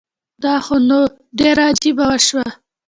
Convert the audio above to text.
دا خو نو ډيره عجیبه وشوه